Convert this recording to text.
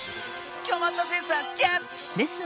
こまったセンサーキャッチ！